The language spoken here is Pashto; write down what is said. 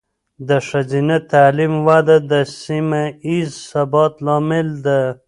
د ښځینه تعلیم وده د سیمه ایز ثبات لامل ده.